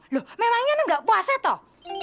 loh memang enak nggak puaset toh